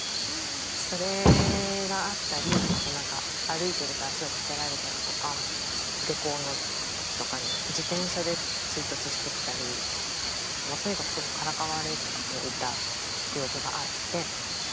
それがあったりあとなんか歩いてると足をかけられたりとか下校の時とかに自転車で追突してきたりとにかくからかわれていた記憶があって。